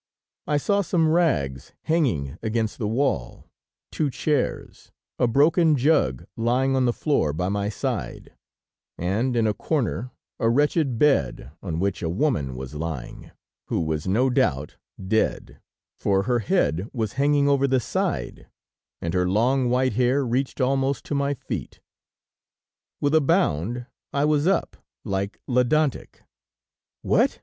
I saw some rags hanging against the wall, two chairs, a broken jug lying on the floor by my side, and in a corner a wretched bed on which a woman was lying, who was no doubt dead, for her head was hanging over the side, and her long white hair reached almost to my feet. With a bound I was up, like Ledantec. "What!"